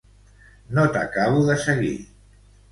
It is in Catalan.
No t'acabo de seguir.